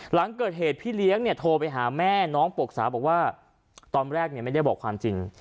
หลังเกิดเหตุพี่เลี้ยงเนี่ยโทรไปหาแม่น้องปกสาวบอกว่าตอนแรกเนี่ยไม่ได้บอกความจริง